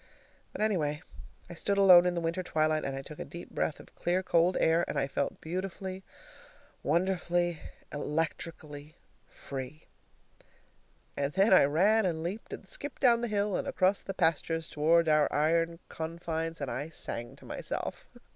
But, anyway, I stood alone in the winter twilight, and I took a deep breath of clear cold air, and I felt beautifully, wonderfully, electrically free. And then I ran and leaped and skipped down the hill and across the pastures toward our iron confines, and I sang to myself.